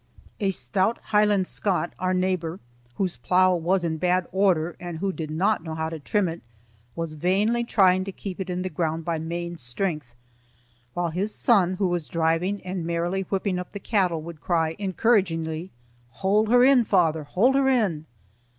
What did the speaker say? A stout Highland Scot, our neighbor, whose plough was in bad order and who did not know how to trim it, was vainly trying to keep it in the ground by main strength, while his son, who was driving and merrily whipping up the cattle, would cry encouragingly, "Haud her in, fayther! Haud her in!"